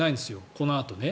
このあとね。